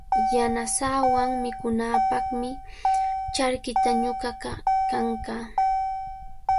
Yanasaawan mikunaapaqmi charkita ñuqakuna kankaa.